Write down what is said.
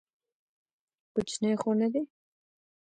کوچنى خو نه دى.